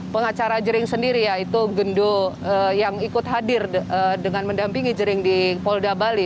pengacara jering sendiri yaitu gendo yang ikut hadir dengan mendampingi jering di polda bali